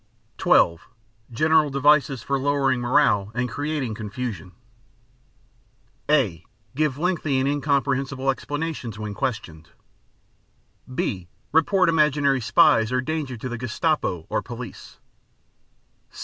(12) General Devices for Lowering Morale and Creating Confusion (a) Give lengthy and incomprehensible explanations when questioned. (b) Report imaginary spies or danger to the Gestapo or police.